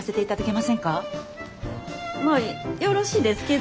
まあよろしですけど。